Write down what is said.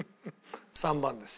３番です。